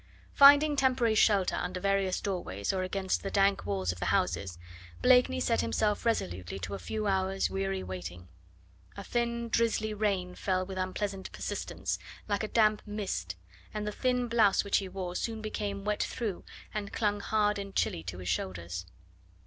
Finding temporary shelter under various doorways, or against the dank walls of the houses, Blakeney set himself resolutely to a few hours' weary waiting. A thin, drizzly rain fell with unpleasant persistence, like a damp mist, and the thin blouse which he wore soon became wet through and clung hard and chilly to his shoulders.